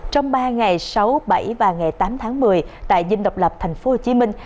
trong ba ngày sáu bảy và ngày tám tháng một mươi tại dinh độc lập thành phố hồ chí minh